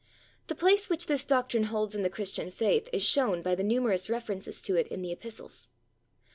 The place which this doctrine holds in the Christian faith is shown by the numerous references to it in the Epistles.